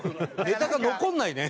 ネタが残らないね。